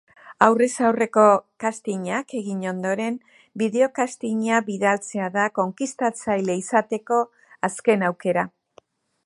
Aurrez aurreko castingak egin ondoren, bideokastinga bidaltzea da konkistatzaile izateko azken aukera.